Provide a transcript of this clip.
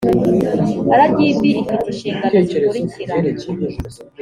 rgb ifite inshingano zikurikira